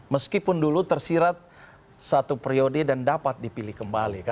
meskipun dulu tersirat satu priode dan dapat dipilih kembali